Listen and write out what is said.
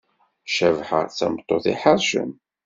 Cabḥa d tameṭṭut iḥercen.